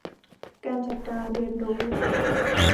การจัดการเรียนรู้